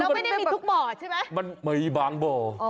ไม่ได้มีทุกบ่อใช่ไหมมันมีบางบ่อ